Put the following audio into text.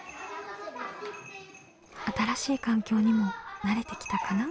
新しい環境にも慣れてきたかな？